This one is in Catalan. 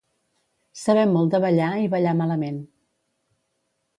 Saber molt de ballar i ballar malament.